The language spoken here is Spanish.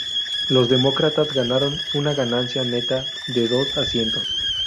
Los demócratas ganaron una ganancia neta de dos asientos.